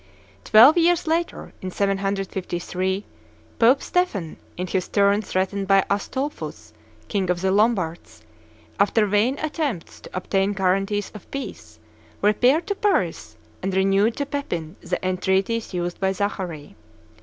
Twelve years later, in 753, Pope Stephen, in his turn threatened by Astolphus, king of the Lombards, after vain attempts to obtain guarantees of peace, repaired to Paris, and renewed to Pepin the entreaties used by Zachary.